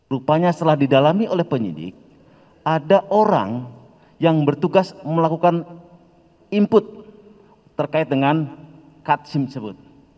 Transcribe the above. rupanya setelah didalami oleh penyidik ada orang yang bertugas melakukan input terkait dengan katsim sebut